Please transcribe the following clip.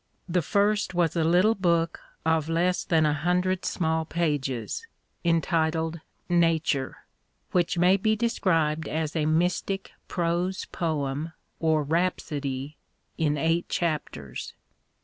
The first was a little book of less than a hundred small pages, entitled " Nature," which may be described as a mystic prose poem, or rhapsody, in eight chapters.